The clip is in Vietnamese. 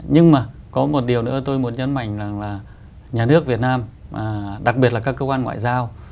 nhưng mà có một điều nữa tôi muốn nhấn mạnh là nhà nước việt nam đặc biệt là các cơ quan ngoại giao